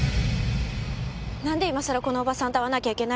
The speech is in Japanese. なんで今さらこのおばさんと会わなきゃいけないの？